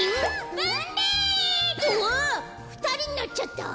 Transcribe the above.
わあふたりになっちゃった？